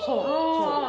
そう！